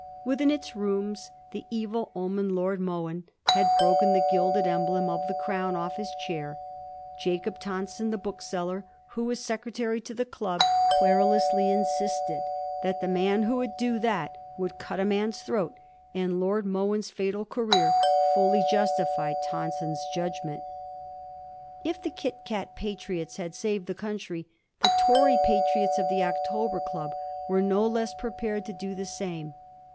Within its rooms the evil omened Lord Mohun had broken the gilded emblem of the crown off his chair. Jacob Tonson, the bookseller, who was secretary to the club, queru lously insisted that the man who would do that would cut a man's throat, and Lord Mohun's fatal career fully VOL. I. H Digiti zed by Google 98 A HISTORY OF THE FOUR GEORGEa ch. y. justified Tonson's judgment. If the Eit Kat patriots had saved the country, the Tory patriots of the October Club were no less prepared to do the same.